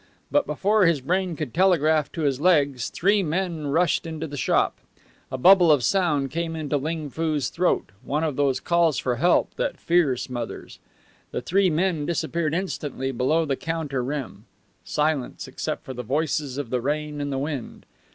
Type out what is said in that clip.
But before this brain could telegraph to his legs three men rushed into the shop. A bubble of sound came into Ling Foo's throat one of those calls for help that fear smothers. The three men disappeared instantly below the counter rim. Silence, except for the voices of the rain and the wind.